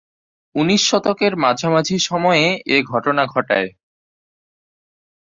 ঊনিশ শতকের মাঝামাঝি সময়ে এ ঘটনা ঘটায়।